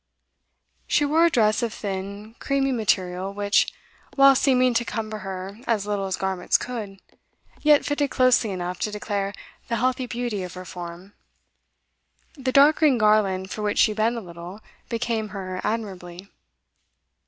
She wore a dress of thin, creamy material, which, whilst seeming to cumber her as little as garments could, yet fitted closely enough to declare the healthy beauty of her form. The dark green garland, for which she bent a little, became her admirably.